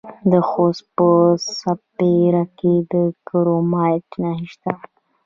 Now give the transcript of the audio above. د خوست په سپیره کې د کرومایټ نښې شته.